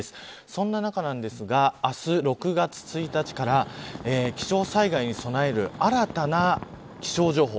そんな中ですが明日６月１日から気象災害に備える、新たな気象情報